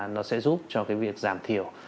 nó sẽ giúp cho cái việc giảm thiểu